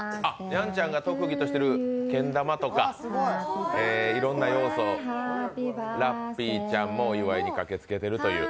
やんちゃんが特技としているけん玉とか、いろんな要素、ラッピーちゃんもお祝いに駆けつけているという。